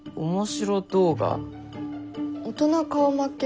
「大人顔負け！